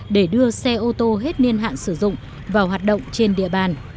để đưa xe ô tô hết niên hạn sử dụng vào hoạt động trên địa bàn